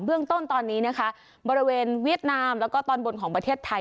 เรื่องต้นตอนนี้นะคะบริเวณเวียดนามแล้วก็ตอนบนของประเทศไทย